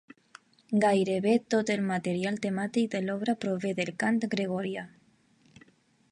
Gairebé tot el material temàtic de l'obra prové del cant gregorià.